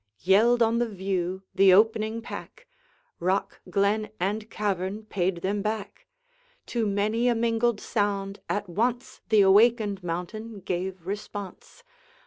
Yelled on the view the opening pack; Rock, glen, and cavern paid them back; To many a mingled sound at once The awakened mountain gave response.